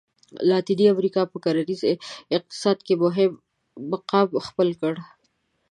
لاتیني امریکا په کرنیز اقتصاد کې مهم مقام خپل کړ.